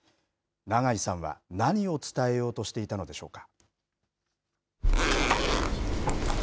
長井さんは何を伝えようとしていたのでしょうか。